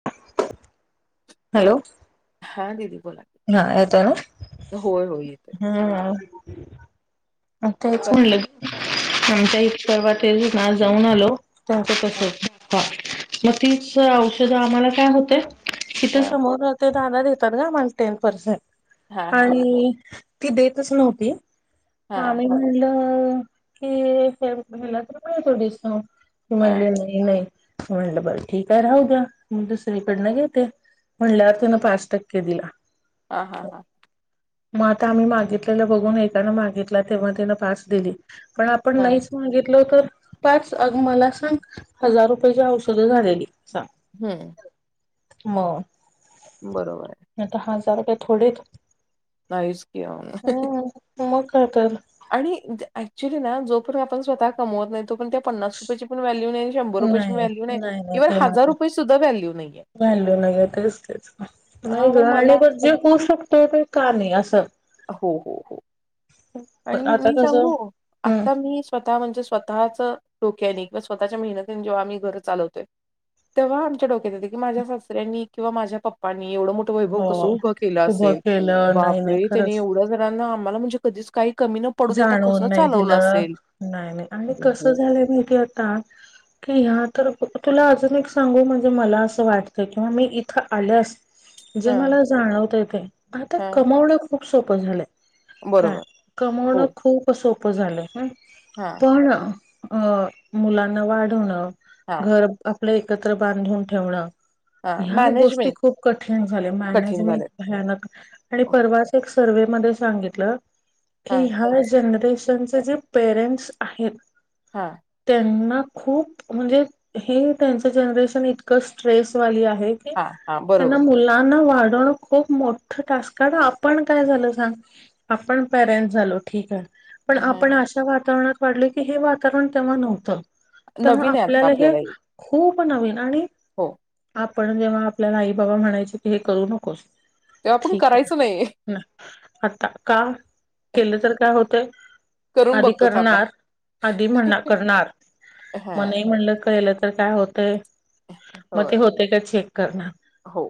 [inaudible] Hello, हा, दिदी बोला. की. हा, येत ना होय, होय येतोय. हम अताच बर म्हणलं आमच्या इ परर्वात ना जाऊन आलो. सांत हां तसच ह मग तीच औषधं आम्हाला काय होते. तिथे हां समोर ते दादा देतात ग मला टेन पर्सेंट हां हां आणि. ती देतच नव्हती. हां हां आम्ही म्हणल की, हयाला तर डिस्काउंट. ती हां म्हणले नाही नाही म्हणलं बर ठीक आहे राहू द्या मी दुसरीकडनं घेते. म्हणल्या त्यान पाच टक्के दिला. हा हा हा, मग आता आम्ही मागितलेलं बघून एकानं मागितला तेव्हा तिन पाच दिली. पण आपण हां नाहीच मागितल तर. पच अ मला सांग हजार रुपयाची औषधं झालेली सांग. हम्म, म, बरोबर आहे. आता हजार काय थोडे आहेत. नायस कि, वो, हम्म मग काय तर. आणि ऍक्च्युली ना जो पण आपण स्वतः कमवत नाही तो पण त्या पन्नास रुपयाेची पण व्हॅल्यू नाही. शंर रुपयाेची नाही व्हॅल्यू नाही नाही नाहीं ते हजार मात्र रुपये सुद्धा व्हॅल्यू नाहीे. व्हॅल्यू नाही आहेेतच त्याच नाही हां ग मग आणि मला पण जे होऊ शकतो ते. का नाही असं, हो हो, हो. आणि आता मी कसं सांगू हम्म आता मी'' स्वतः म्हणजे स्वतःच डोक्याने किं स्वतःच्या मेनतीने जेव्हाम्ही घ चालतोय. तेव्हा आमच्या डो्यात होते की, माझ्या सासऱ्यांनी किंवा माझ्याप्पनी एवढं मोठं मोठे वैभव कसं हो उभं केलं उभं असेल केलं नाही नाही बापरे त्यांनी खरंच एवढे जणांना आम्हाला म्हणजे कधीच. काही कमी नव्हतं. जाणून नाही दिलं नाही नाही आणि हो, कस हो. झालंय माहिती आता. की, ह्या तर तुला अजून एक सांगू म्हणजे मला असं वाटतं किंवा मी इथं आल्यास. जे हां, मला जाणवतय ते आता हां. कमवण खूप सोपं झालंय. बरोबर. कमवण खूप सोपं झालं ह, हा, पण अ मुलांना वाढवणं हां, घर. आपलं एकत्र बांधून ठेवणं हां. ह्या गोष्टी मॅनेजमेंट खूप कठीण झाल्या कठीण मॅनेजमेंट. झालंय. भयानक आणि परवाच एक सर्वेहे मध्ये सांगितलं. की, हां, ह्या जनरेशनचे जे पेरेंट्स आहेत. हा. त्यांना खूप म्हणजे हे त्यांचं जनरेशन इतकं स्ट्रेसवाली आहे. हे हां, हां. त्यांना बरोबर. मु'' '' मुलांना वाढवणे खप मोठ टस् आपण काय झालं सग आपण पेरेंट्स. झालो ठीक हे. पण हां. आपण अशा वातावरणात वाढले की हे वातावरण तेव्हा नव्हतं. त्यामुळे नवीन आहे आता आपल्याला हे खूप नवीन आणि हो आपण जेव्हा आपल्याला आई- बाबा म्हणायचे की हे करू नकोस तेव्हा आपण करायचो नाही. आत्ता का केल तर काय होतय. करून आधी बघतो थांबा. करणार आधी म्हण करणार. हा म नही म्हणलं. केलं तर काय होतय. मग ते होय होते का चेक कर हो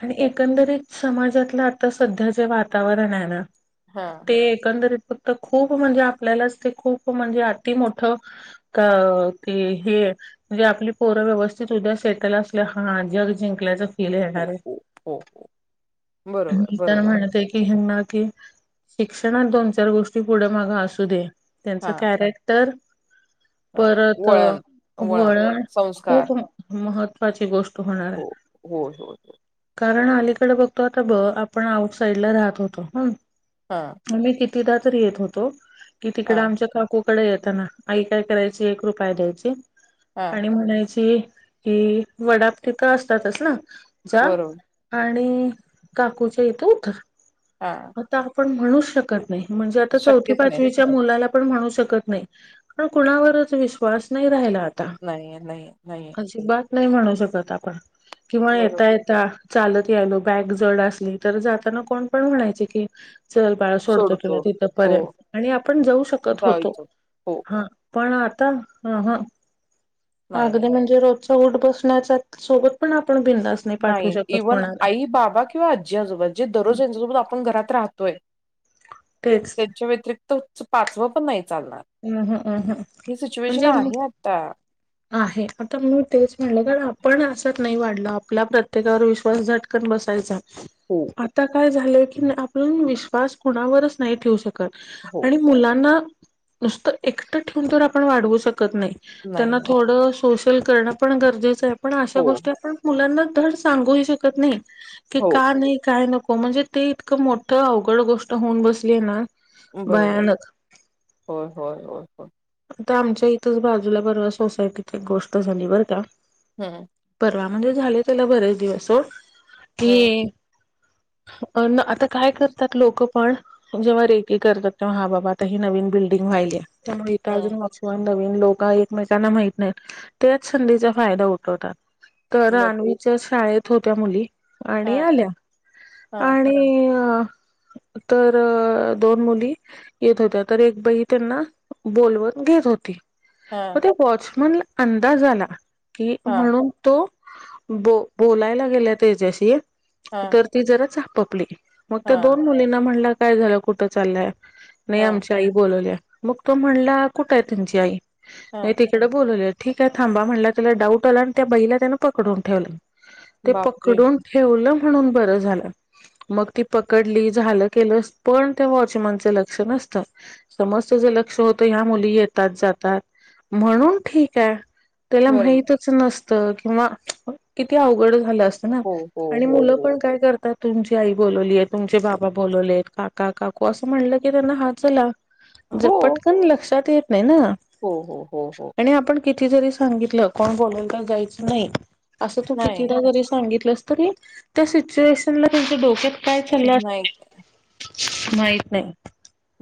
पण एकंदरीत समाजातलं आता सध्या जे वातावरण आहे ना हा ते एकंदरीत फक्त खूप म्हणजे आपल्यालाच ते खूप म्हणजे अति मोठं का के हे म्हणजे आपली पोर व्यवस्थित उद्या सेटल असल्या हा जग जिंकल्याचं केले हो येणारे. हो हो हो बरोबर मी तर बरोबर म्हणतय की हेना की शिक्षणात दोन- चार गोष्टी पुढे माग असू दे हा त्यांचं कॅरेक्टर हा परत वळण वळण संस्कार खूप महत्त्वाची गोष्ट होणार हे. हो होय होय कारण अलीकड बघतो आता ब आपण आउट साईडला राहत होतो. ह हा मी कितीदा तर येत होतो की हा तिकडे आमच्या काकू कड येतना आई काय करायची एक रुपय द्यायची हा आणि म्हणायची कि वडाप तिथं असतातच ना जा बरोबर आणि काकूच्या इथं उतर. हा आता आपण म्हणू शकत नाही म्हणजे आता चौथी शक्यच नाही पाचवी ची त्या मुलाला पण म्हणू शकत नाही कुणावरच विश्वास नाही राहिला आता नाहीे नाही नाहीे अजिबात नाही म्हणू शकत आपण किंवा बरोबर येता चालत यायलो बॅग जड असली तर जाताना कोण पण म्हणायचे कि चल बाळ सोडतो तुला तिथं पर्यंत आणि आपण जाऊ शकत होतो. जायचो हो हा पण आता अहा नाही नाही अगदी म्हणजे रो च उठ बसण्याचा सोबत पण आपण बिनधास्त नाही इव्हन आई- बाबा किंवा आज्जी-आजोबा जे दररोज यांच्यासोबत आपण घरात राहतोय. तेच त्यांच्या व्यतिरिक्त पाचवं पण नाही चालणार. अह अहम्म ही सिच्युएशन म्हणजे आहे आता आहे. आता मी तेच म्हणलं कारण आपण अशात नाही वाढलो. आपला प्रत्येकावर विश्वास झट कन बसायचा. हो आता काय झालंय की आपण विश्वास कुणावरच नाही ठेवू शकत हो आणि मुलांना नुसतं एकटं ठेवून तर आपण वाढवू शकत नाही. नाही त्यांना नाही थोडं सोशल करण पण गरजेचं आहे. पण अशा हो, गोष्टी आपण मुलांना धड सांगू हि शकत नाही. की हो का नाही, काय नको. म्हणजे ते इतकं मोठं अवघड गोष्ट होऊन बसली आहे ना बरोबर भयानक होय होय होय होय आता आमच्या इथंच बाजूला बरं सोसायटीत एक गोष्ट झाली बरं का हम परवा म्हणजे झाले त्याला बरेच दिवस हो हं, की अन् आता काय करतात लोकं पण जेव्हा रेकी करतात तेव्हा हा बाबा आताही नवीन बिल्डिंग वाहिलीया त्यामुळे ऐका हं. अजून किवा नवीन लोका एकमेकांना माहित नाही त्याच संधीचा फायदा उठवतात. तर बर अनूच्या शाळेत होत्या मुली आणि हां, आल्या हां, आणि ते... तर दोन मुली येत होत्या तर एक बाई त्यांना बोलवण घेत होती हां, तते वॉचमनला अंदाज आला कि हां, म्हणून तो बो बोलायला गेला त्याच्याशी हां, तर ती जरा चापपली मग त्या हां, दोन मुलींना म्हणलं काय झालं कुठं चालल्या नाही हां, आमची आई बोलवल्या मग तो म्हणला कुठ आहे त्यांची आई तर ते हां. तिकडं बोलवलं ठीक आहे थांबा म्हणला त्याला डाऊट आला आणि त्या बाईला त्यानं पकडून ठेवलं. ते बापरे! पकडून ठेवलं म्हणून बर झालं मग ती पकडली झालं केलं पण त्या वॉचमॅनचं लक्ष नसतं समज त्याचं लक्ष होत ह्या मुली येतात जातात म्हणून ठीक आहे त्याला बरोबर. माहितच नसतं किंवा किती अवघड झालं असत चंना हो, हो, आणि हो, मुलं हो. पण काय करतात. तुमची आई बोलवलीय तुमचे बाबा बोलवले आहेत काका काकू असं म्हणलं की त्यांना हां चला जे हो, पटकन लक्षात येत नही ना? हो हो हो हो आणि आपण किती जरी सांगितलं कोण बोलंवल तर जायचं नाही? असं तू नाही, कितीदा जरी सांगितलंस तरी त्या सिच्युएशनला तुमच्या डोक्यात काय चाललं नाही असत माहित नाही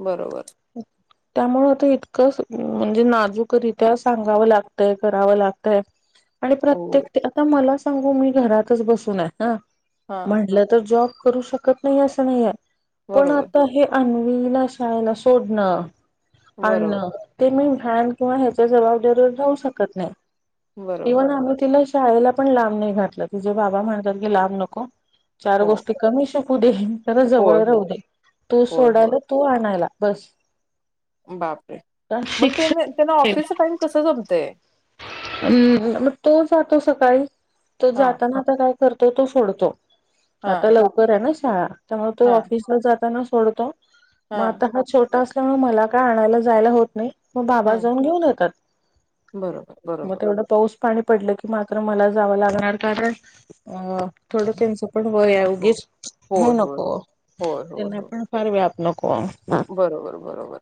बरोबर [inaudible] त्यामुळे आता इतकं म्हणजे नाजूकरीत्या सांगावं लागतय करावं लागतय. आणि हो, प्रत्येक आता मला सांगू मी घरातच बसून हे ना हां. म्हटलं तर जॉब करू शकत नाही असं नाही हे पण बरोबर, आता हे अनवीला शाळेला सोडणं बरोबर, आणणं ते मी व्हॅन किंवा ह्याच्या जबाबदारीवर जाऊ शकत नाही बरोबर. इव्हन आम्ही तिला शाळेला पण लांब नाही घातलं तीचे बाबा म्हणतात की लांब नको चार हो, गोष्टी कमी शिक होवू दे त्याला होय, जवळ होय, राहू दे तो होय, होय. सोडायला तू आणायला बस बापरे मग त्यां त्यांना शिक्षण ऑफिसच टाइम कसं जमतय हम् मग तो जातो सकाळी तो हां, जाताना आता काय करतो तो सोडतो. आता हां, लवकर आहे ना शाळा त्यामुळे तो हां, ऑफिसला जाताना सोडतो मा हां. हा छोटा असल्यामुळे मला काय आणायला जायला होत नाही मग बाबा हं, जाऊन घेऊन येतात. बरोबर, बरोबर. मोठं मोठं पाऊस पाणी पडलं की मात्र मला जावं लागणार कारण अ थोड त्यांच पण वय हे हो, उगीच हे होय, होय. नको होय, होय, त्यांना होय. पण फार व्याप नको. बरोबर बरोबर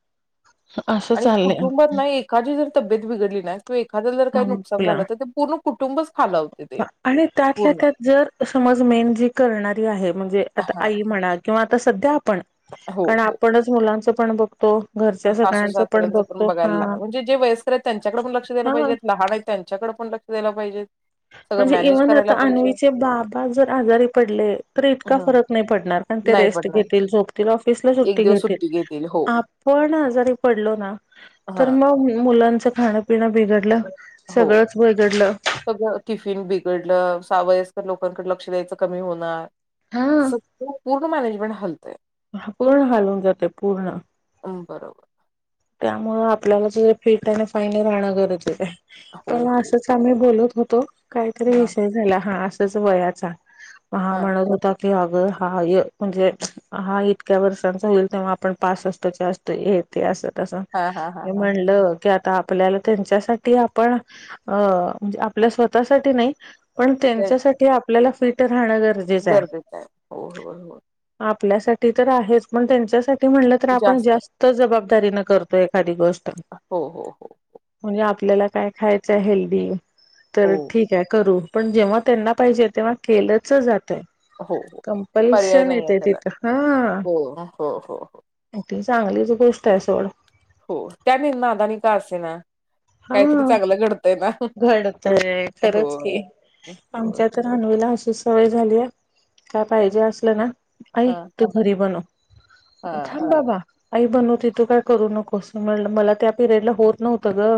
असं आणि चाललंय कुटुंबात नाही एखादी जर तब्येत बिडली ना किंवा एखादं जर काही सांगू नुकसान तुला झालं तर ते पूर्ण कुटुंबच खालावते. ते आणि त्यातल्या पूर्ण. त्यात जर समज मेन जी करणारी आहे म्हणजे आता हां. आई म्हणा किंवा आता सध्या आपण हो, कारण हो. आपणच मुलांचं पण बघतो घरच्या सासू सगळ्यांच सऱ्यांचं पण बघतो हा बघायला लागत म्हणजे वयस्कर आहेत त्यांच्याकडे पण लक्ष द्याय हा पाहिजे लहान आहेत त्यां त्याच्याकडे पण लक्ष द्याय पाहिजे, म्हणजे इव्हन आता आणण्वीचे बाबा जर आजारी पडले तर इतका हं. फरक नाही पडणार आणि ते नाही रेस्ट पडणार. घेतील झोपतील ऑफिसला एक सुट्टी दिवस घेतील, [unintelligible] पण आजारी पडलो ना तर हां. मग मुलांचं खाणपिण बिघडलं हो सगळंच बिघडलं सगळ टिफिन बिघडलं सावयस तर लोकांकडे लक्ष द्यायचं कमी होणार हा पूर्ण मॅनेजमेंट हलतंय ह पूर्ण हालवून जाते पूर्ण बरोबर त्यामुळे आपल्याला ज फिट आणि फाईन राहणं गरजेच आहे हो, पण हो. असंच मी बोलत होतो काहीतरी हां. विषय झाला हा असच वयाचा हा म्हणत होता आग हाय म्हणजे हा इतक्या वर्षांचा होईल तेव्हा आपण पास वाजताो असतो हे ते असत अस हा हा हा हे हा म्हणलं की आता आपल्याला त्यांच्यासाठी आपण अ म्हणजे आपल्या स्वतःसाठी नाही, पण ते ते त्यांच्यासाठी आपल्याला फिट राहणं गरजे गरजेचं आहे हो हो हो, आपल्यासाठी तर आहेच पण त्यांच्यासाठी म्हणलं तर आपण जास्त जबाबदारी न करतो एखादी गोष्ट, हो हो हो म्हणजे आपल्याला काय खायचं हेल्दी हो तर ठीक करू पण जेव्हा त्यांना पाहिजे तेव्हा केलंच जातय हो हो पर्याय कंपल्शन नाही आहे येते त्याला तिथं हा हो हो हो हो ती चांगलीच गोष्ट आहे सोड हो त्या निर्दनी का असे ना काहीतरी चांगलं घडतय ना घडतंय तरंच होय की होय आमच्यात जानुला अशी सवय झाली आहे काय पाहिजे असलं ना आई हा तू घरी बनव हा थांब बाबा आई बनवते तु काही करू नकोस मला त्या पिरेयडला होत नव्हतं ग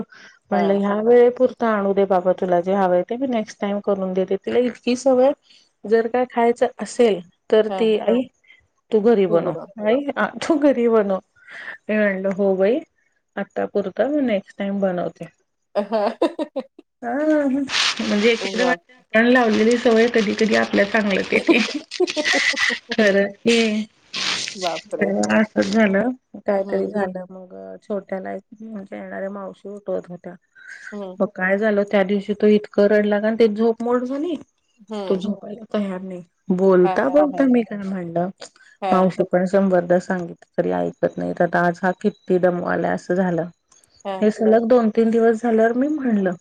पणलं हा ह्या वेळेत हो् आणू दे बाबा तुला जे हवे ते मी नेक्स्ट टाइम करून देते तिला इतकी सवय हे जर काय खायचं असेल तर हा ती आई घरी तू बरा बनव आई आ तू घरी बनव मी म्हणलं हो बाई आत्तापुरत मी नेक्स्ट टाईम घरी बनवते, अ ह हं हं आ.. अ म्हणजे एकदा वा आपण लावलेली सवय कधी कधी आपच अंगलट येते तेे खरंच की बापरे आ असच झालं काहीतरी हम्म झालं मग छोट्याला म्हणजे येणाऱ्या मावशी उठवत होत्या, हं मग काय झालं त्या दिवशी तो इतकं रडलाना ते झोप मोड झाली तो हम्म झोपायला त यांनी हा बोलता हा बोलता हा मी त्यांना म्हणलं हा मावशी पण शंभरदा सांगितलं तरी ऐकत नाही तर आता आज हा किती दमवायला असं झालं. हा हे सलग दोन तीन दिवस झाल्यावर मी म्हणलं!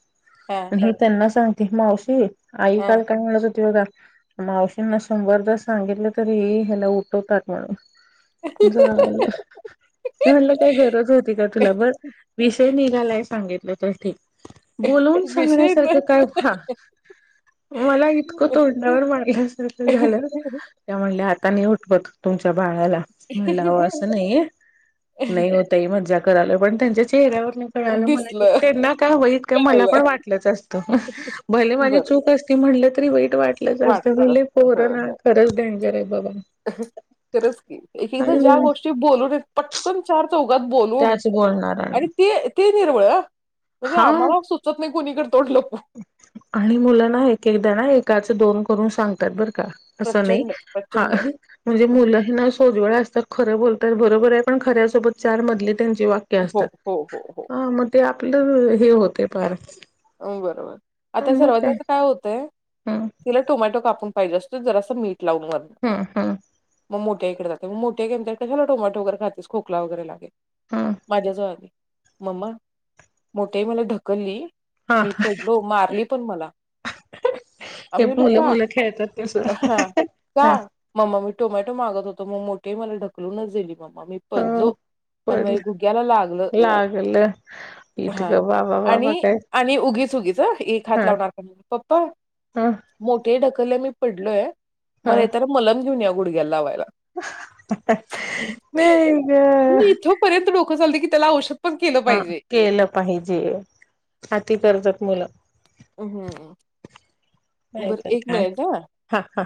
हा हे त्यांना सांगते मावशी आई हा. काल काय म्हणत होती बघा मावशींना शंभरदा सांगितलं तरी ह्याला उठवतात म्हणून झालं मी म्हणलं काही गरज होती का तुला बरं विषय निघालाय सांगितलं तर ठीक बोलवून विषय सांगण्यासारखं काय ना. हा मला इतकं तोंडावर मारल्या सारखं झालं. त्या म्हणाल्या आता नाही उठवत तुमच्या बाळाला म्हणलं आव असं नाहीय नाही ओ ताई मज्जा करायलो पण त्यांच्या चेहऱ्यावरन कळालं मला की दिसलं त्यांना काय वाईट का मला कळलं. पण वाटलंच असत अ भले माझी बरं चूक असती म्हटलं तरी वाईट वाट वाटलं [unintelligible] पोरं हं ना खरंच डेंजर आहेत बाबा! हं खरंच की इथ ज्या आणि गोष्टी बोलून पट् पटकन चार चौघात बोलून त्याच बोलणार आणि ते ते निर्मळ आ म्हणजे हा आम्हाला सु सुचत नाही कोणीकडे तोंड लपवू. आणि मुलं ना एके क दा ना एकाचं दोन करून सांगतात बरं का. असं नाही, प्रचंड हा प्रचंड म्हणजे मुलं ह ना सोज्वळ असतात खरं बोलतात बरोबर आहे पण खऱ्यासोबत चार मधली त्यांची वाक्य् हो हो हो हो हा मग ते आपलं हे होतेय फार हो, बरोबर आता सर्वांत जास्त काय होतंय? हम् तिला टोमॅटो कापून पाहिजे असतं जरासं मीठ लावून वर. हम् हम् मग मोठया आईकडे जाते, मग मोठ्या आई म्हणते कशाला टोमॅटो वगैरे खातेस खोकला वगैरे लागेल. हम् माझ्याजवळ आली मम्मा मोठ्या आई मला ढकलली हा मी पडलो मारली पण मला हे आम्ही म्हणलो मुलं का? मुलं खेळतात तस हं ह का? मम्मा मी टोमॅटो मागत होतो मग मोठी आई मला ढकलूनच दिली मम्मा मी पडलो. आणि माझ्या पडलं, गुग्याला लागलं लागलं इतक हा बाबा बाबा आणि काय आणि उगीच उगीच एक हात हा लावणार का म्हणून, पप्पा ह मोठी आई ढकल्लेय मी पडलोय मग ह येताना मलम घेऊन या गुडघ्याला लावायला. नाही ग पर्यंत डोकं चालतं की त्याला औषध पण केलं हा पाहिजे. केलं पाहिजे, आती करतात मुलं. हम नाहीतर काय हा हा